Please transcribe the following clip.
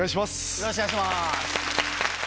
よろしくお願いします。